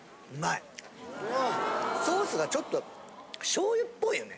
ソースがちょっと醤油っぽいよね。